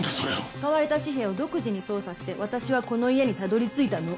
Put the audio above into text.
使われた紙幣を独自に捜査して私はこの家にたどり着いたの。